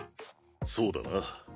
そうだな。